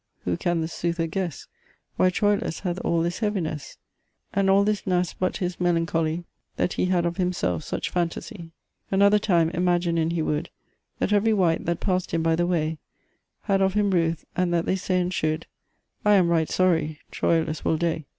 who can the sothe gesse, Why Troilus hath al this hevinesse? And al this n' as but his melancolie, That he had of himselfe suche fantasie. Anothir time imaginin he would That every wight, that past him by the wey, Had of him routhe, and that thei saien should, I am right sory, Troilus wol dey!